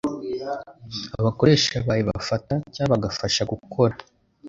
Abakoresha bawe bafata, cyangwa bagafasha gukora